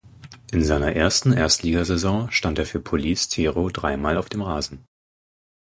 In seiner ersten Erstligasaison stand er für Police Tero dreimal auf dem Rasen.